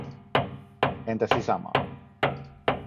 Entä sisämaa?